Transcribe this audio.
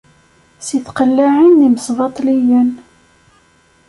Si tqellaɛin n imesbaṭliyen.